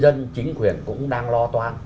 dân chính quyền cũng đang lo toan